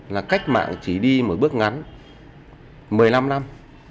là cách mạng chỉ đi một bước ngắn một mươi năm năm